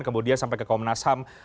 kemudian sampai ke komnas ham